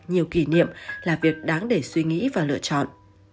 nhiều kỷ niệm là việc đáng để suy nghĩ và lựa chọn